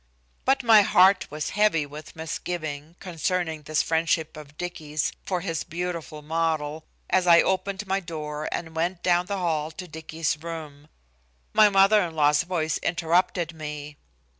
But my heart was heavy with misgiving concerning this friendship of Dicky's for his beautiful model, as I opened my door and went down the hall to Dicky's room. My mother in law's voice interrupted me.